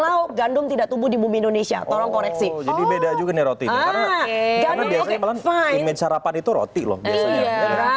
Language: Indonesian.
lauk gandum tidak tubuh di bumi indonesia tolong koreksi jadi beda juga nih roti karena biasanya